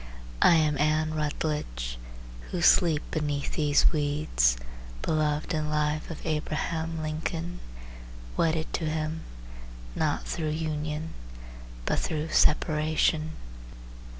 I am Anne Rutledge who sleep beneath these weeds, Beloved in life of Abraham Lincoln, Wedded to him, not through union, But through separation.